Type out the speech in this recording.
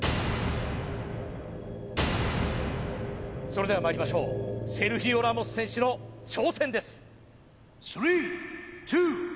それではまいりましょうセルヒオ・ラモス選手の挑戦です！